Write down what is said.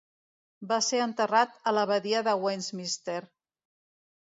Va ser enterrat a l'abadia de Westminster.